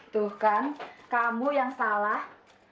tuh kan kamu yang salah